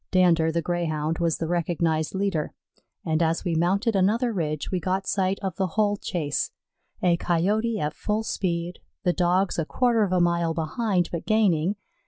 Dander, the Greyhound, was the recognized leader, and as we mounted another ridge we got sight of the whole chase a Coyote at full speed, the Dogs a quarter of a mile behind, but gaining.